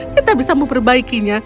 kita bisa memperbaikinya